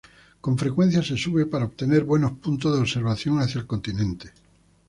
Con frecuencia se sube para obtener buenos puntos de observación hacia el continente.